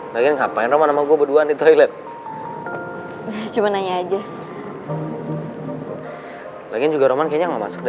bagian ngapain sama gue berdua nih toilet cuma nanya aja lagi juga roman kayaknya masuk